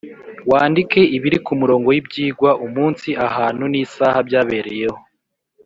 Wandike ibiri ku murongo w’ibyigwa umunsi ahantu n’isaha byabereyeho